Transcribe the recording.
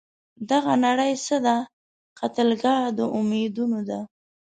دغه نړۍ څه ده؟ قتلګاه د امیدونو ده